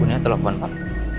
bunia telepon pak